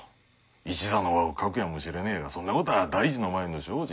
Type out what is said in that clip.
一座の和を欠くやもしれねえがそんなこたぁ大事の前の小事。